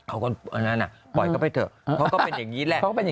เอานั่นอ่ะปล่อยก็ไปเถอะเขาก็เป็นอย่างนี้แหละ